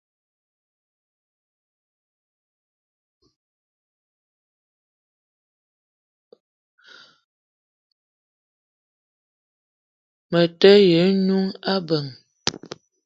Me te ye n'noung akeng.